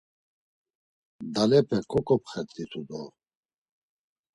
Dalepe ǩoǩopxert̆itu do.